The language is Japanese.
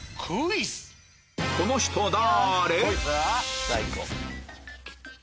この人誰？